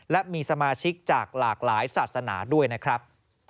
และมีสมาชิกจากหลากหลายศาสนาด้วยนะครับ